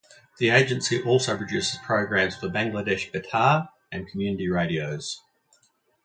The agency also produces programs for Bangladesh Betar and community radios.